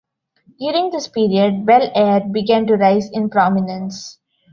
During this period, Bel Air began to rise in prominence.